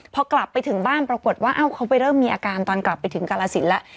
พอกลับไปถึงบ้านปรากฏว่าเขาไปเริ่มมีอาการตอนกลับไปถึงกาลสินแล้ว